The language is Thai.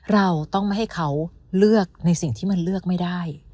เราต้องไม่ให้เขาเลือกในสิ่งที่มันเลือกไม่ได้